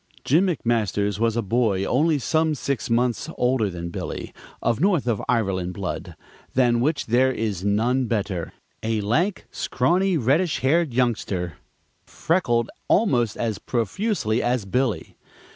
Jim McMasters was a boy only some six months older than Billy, of North of Ireland blood than which there is none better a lank, scrawny, reddish haired youngster, freckled almost as profusely as Billy.